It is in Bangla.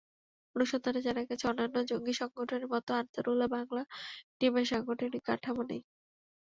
অনুসন্ধানে জানা গেছে, অন্যান্য জঙ্গি সংগঠনের মতো আনসারুল্লাহ বাংলা টিমের সাংগঠনিক কাঠামো নেই।